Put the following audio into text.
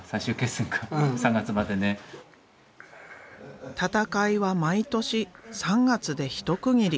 戦いは毎年３月で一区切り。